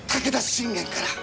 信玄から？